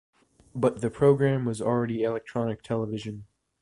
But the program was already electronic television.